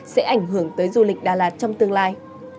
sẽ ảnh hưởng tới du lịch đà lạt trong tương lai